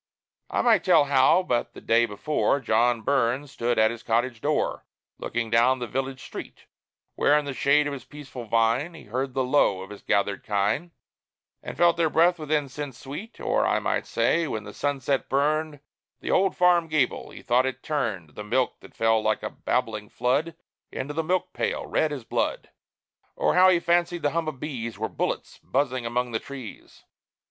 I might tell how, but the day before, John Burns stood at his cottage door, Looking down the village street, Where, in the shade of his peaceful vine, He heard the low of his gathered kine, And felt their breath with incense sweet; Or I might say, when the sunset burned The old farm gable, he thought it turned The milk that fell like a babbling flood Into the milk pail, red as blood! Or how he fancied the hum of bees Were bullets buzzing among the trees.